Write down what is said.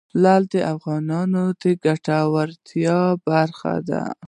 لعل د افغانانو د ګټورتیا برخه ده.